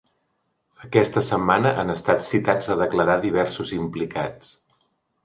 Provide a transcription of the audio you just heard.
Aquesta setmana han estat citats a declarar diversos implicats.